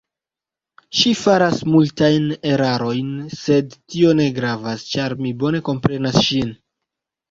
Ŝi faras multajn erarojn, sed tio ne gravas, ĉar mi bone komprenas ŝin.